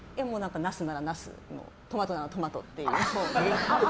ナスならナストマトならトマトっていう。